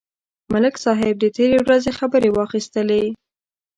ملک صاحب د تېرې ورځې خبرې واخیستلې.